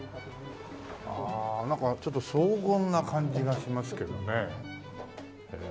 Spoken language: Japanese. ああなんかちょっと荘厳な感じがしますけどね。